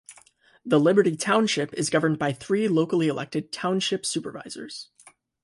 The Liberty Township is governed by three locally elected Township Supervisors.